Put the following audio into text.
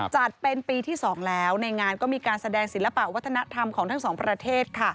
จัดเป็นปีที่๒แล้วในงานก็มีการแสดงศิลปะวัฒนธรรมของทั้งสองประเทศ